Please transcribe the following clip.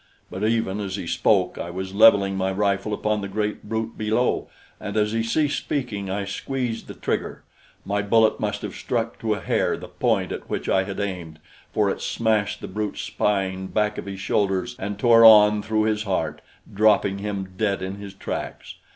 But even as he spoke, I was leveling my rifle upon the great brute below; and as he ceased speaking, I squeezed the trigger. My bullet must have struck to a hair the point at which I had aimed, for it smashed the brute's spine back of his shoulders and tore on through his heart, dropping him dead in his tracks.